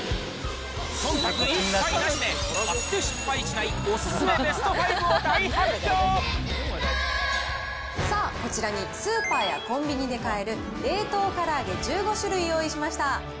そんたく一切なしで、買って失敗しないお勧めベスト５を大発さあ、こちらにスーパーやコンビニで買える冷凍から揚げ１５種類用意しました。